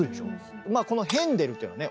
まあこのヘンデルっていうのはね